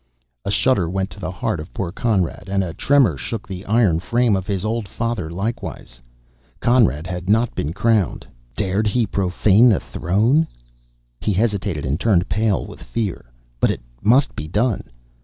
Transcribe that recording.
A shudder went to the heart of poor Conrad, and a tremor shook the iron frame of his old father likewise. CONRAD HAD NOT BEEN CROWNED dared he profane the throne? He hesitated and turned pale with fear. But it must be done.